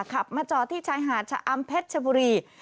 ขับมาจอดที่ชายหาดชะอำเพชรชบุรี